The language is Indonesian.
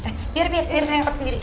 eh biar biar biar saya angkat sendiri